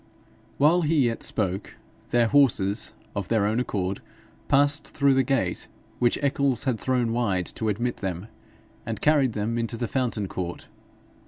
While he yet spoke, their horses, of their own accord, passed through the gate which Eccles had thrown wide to admit them, and carried them into the Fountain court.